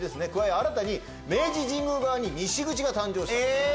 新たに明治神宮側に西口が誕生した。